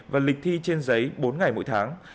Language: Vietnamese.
và lịch thi trên giấy bốn ngày mỗi tháng